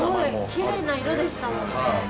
きれいな色でしたもんね。